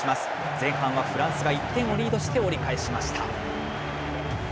前半はフランスが１点をリードして折り返しました。